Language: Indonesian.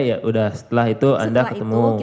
ya udah setelah itu anda ketemu setelah itu